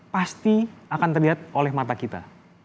pasti akan terlihat oleh mata kita